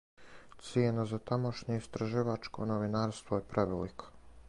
Цијена за тамошње истраживачко новинарство је превелика.